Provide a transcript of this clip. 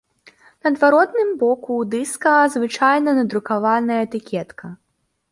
На адваротным боку дыска звычайна надрукаваная этыкетка.